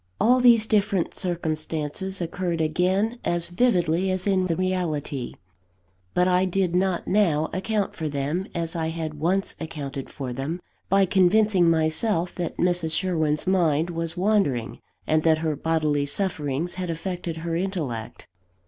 All these different circumstances occurred again as vividly as in the reality; but I did not now account for them, as I had once accounted for them, by convincing myself that Mrs. Sherwin's mind was wandering, and that her bodily sufferings had affected her intellect.